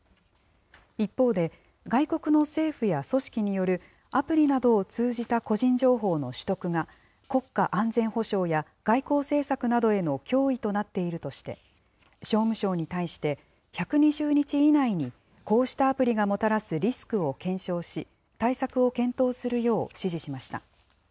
一方で、外国の政府や組織によるアプリなどを通じた個人情報の取得が、国家安全保障や外交政策などへの脅威となっているとして、商務省に対して、１２０日以内にこうしたアプリがもたらすリスクを検証し、対策を検討するよう指示しました。